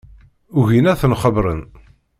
Ugin ad ten-xebbren.